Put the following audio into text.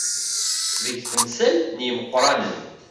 Deg temsal n yimeqqranen.